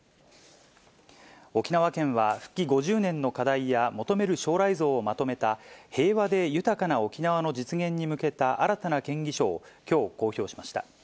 沖縄県は、復帰５０年の課題や、求める将来像をまとめた、平和で豊かな沖縄の実現に向けた新たな建議書を、きょう公表しました。